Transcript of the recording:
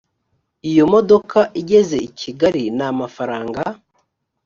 iyo modoka igeze i kigali n amafaranga